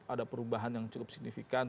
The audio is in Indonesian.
ada perubahan yang cukup signifikan